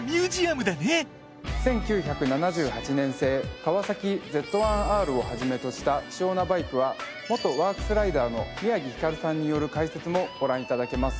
１９７８年製カワサキＺ１−Ｒを始めとした希少なバイクは元ワークスライダーの宮城光さんによる解説もご覧頂けます。